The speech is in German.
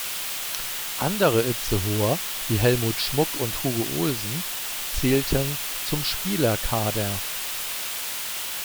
Andere Itzehoer wie Helmut Schmuck und Hugo Ohlsen zählten zum Spielerkader.